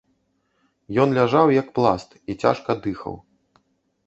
Ён ляжаў як пласт і цяжка дыхаў.